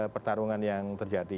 pertarungan yang terjadi